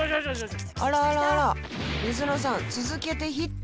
あらあらあら水野さん続けてヒット！